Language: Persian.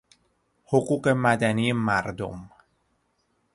حقوق مدنی مردم